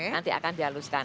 nanti akan dihaluskan